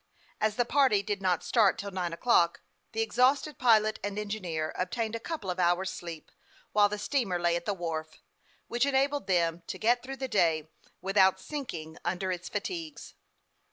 As the party did not start till nine o'clock, the exhausted pilot and engineer obtained a couple of hours' sleep, while the steamer lay at the wharf, which enabled them to get through the day without sinking under its fatigues.